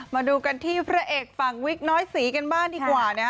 มาดูกันที่พระเอกฝั่งวิกน้อยสีกันบ้างดีกว่านะฮะ